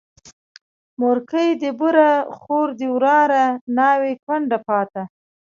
مورکۍ دي بوره، خور دي وراره، ناوې کونډه پاته